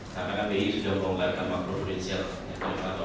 karena kan bi sudah melonggarkan makro prudensial yang terlalu banyak